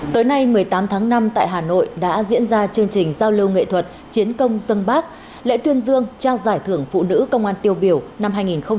tới nay một mươi tám tháng năm tại hà nội đã diễn ra chương trình giao lưu nghệ thuật chiến công dân bác lễ tuyên dương trao giải thưởng phụ nữ công an tiêu biểu năm hai nghìn hai mươi hai nghìn hai mươi một